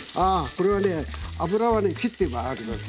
これは油はねきってあります。